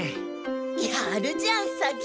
やるじゃん左吉！